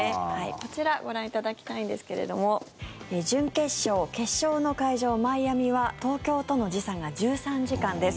こちらご覧いただきたいんですけれども準決勝・決勝の会場、マイアミは東京との時差が１３時間です。